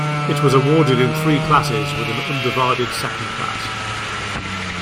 It was awarded in three classes with an undivided second class.